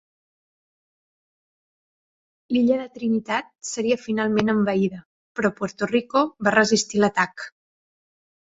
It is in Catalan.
L'illa de Trinitat seria finalment envaïda però Puerto Rico va resistir l'atac.